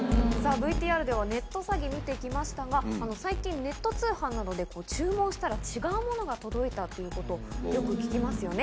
ＶＴＲではネット詐欺見て来ましたが最近ネット通販などで注文したら違うものが届いたということよく聞きますよね